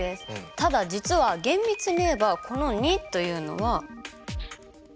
ただ実は厳密に言えばこの２というのは。